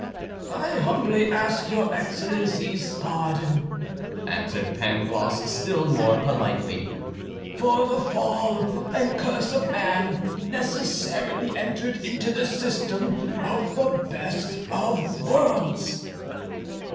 "I humbly ask your Excellency's pardon," answered Pangloss, still more politely; "for the Fall and curse of man necessarily entered into the system of the best of worlds."